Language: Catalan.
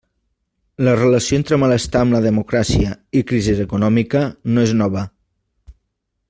La relació entre malestar amb la democràcia i crisi econòmica no és nova.